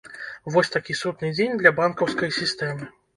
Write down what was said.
Вось такі судны дзень для банкаўскай сістэмы.